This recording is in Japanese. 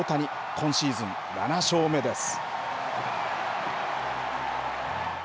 今シーズン、７勝目です。